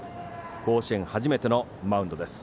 甲子園初めてのマウンドです。